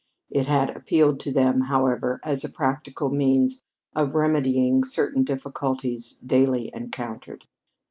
It had appealed to them, however, as a practical means of remedying certain difficulties daily encountered.